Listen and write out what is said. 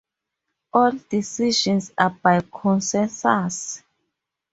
All decisions are by consensus.